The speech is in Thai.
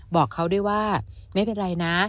บอกเขาด้วยว่าไม่เป็นไรนะ